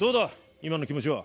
今の気持ちは。